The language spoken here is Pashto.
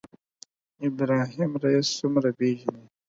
ابراهیم رئیسي څومره پېژنئ